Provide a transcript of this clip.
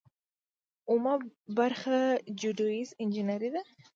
اوومه برخه جیوډیزي انجنیری ده.